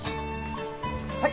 はい。